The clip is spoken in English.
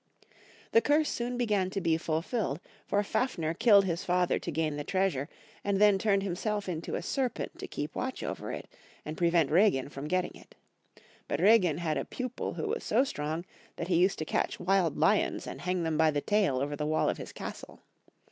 The curse soon began to be fulfilled, for Fafner 40 The Nibelonig Heroes. 41 killed his father to gain the treasure, and then turned himself into a serpent to keep watch over it, and prevent Reginn from getting it. But Reginn had a pupU who was so strong that he used to catch wild lions and hang them by the taU over the wall of his castle.